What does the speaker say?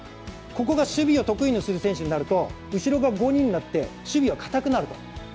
ここが守備を得意にする選手になると後ろが５人になって、守備が硬くなる。